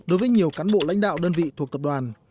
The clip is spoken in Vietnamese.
đối với nhiều cán bộ lãnh đạo đơn vị thuộc tập đoàn